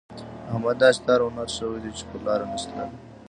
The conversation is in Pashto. احمد داسې تار و نار شوی دی چې پر لاره نه شي تلای.